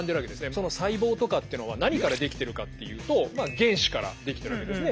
その細胞とかってのは何から出来てるかっていうとまあ原子から出来てるわけですね。